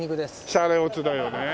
シャレオツだよね。